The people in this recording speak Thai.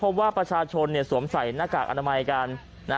พบว่าประชาชนสวมใส่หน้ากากอนามัยกัน